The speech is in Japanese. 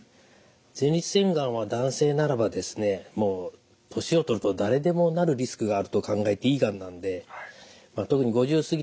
前立腺がんは男性ならば年を取ると誰でもなるリスクがあると考えていいがんなんで特に５０過ぎた方はですね